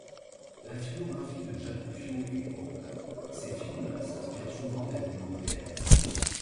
La filmographie de Jacques Rouffio est courte, ses films s'inspirent souvent d'événements réels.